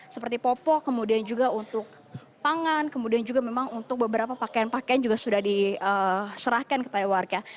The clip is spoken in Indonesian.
seperti popok kemudian juga untuk pangan kemudian juga memang untuk beberapa pakaian pakaian juga sudah diserahkan kepada warga